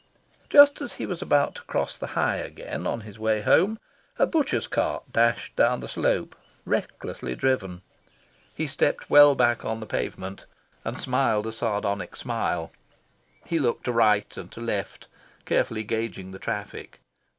Just as he was about to cross the High again, on his way home, a butcher's cart dashed down the slope, recklessly driven. He stepped well back on the pavement, and smiled a sardonic smile. He looked to right and to left, carefully gauging the traffic.